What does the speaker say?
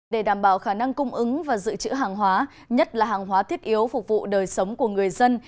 để đảm bảo khả năng cung ứng và dự trữ hàng hóa nhất là hàng hóa thiết yếu phục vụ đời sống của người dân